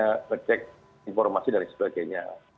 kami sudah mencari informasi dari sebagainya